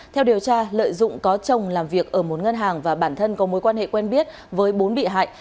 theo điều tra lợi dụng có chồng làm việc ở một ngân hàng và bản thân có mối quan hệ quen biết với bốn bị hại